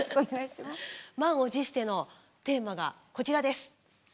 満を持してのテーマがこちらです。